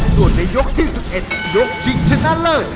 ส่วนในยกที่๑๑ยกชิงชนะเลิศ